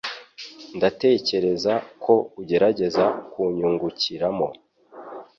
Ndatekereza ko ugerageza kunyungukiramo.